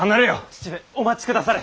父上お待ちくだされ。